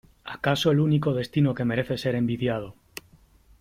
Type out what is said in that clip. ¡ acaso el único destino que merece ser envidiado !